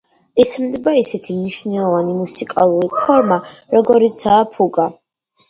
იქმნება ისეთი მნიშვნელოვანი მუსიკალური ფორმა, როგორიცაა ფუგა.